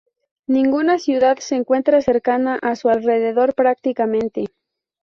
Ninguna ciudad se encuentra cercana a su alrededor prácticamente.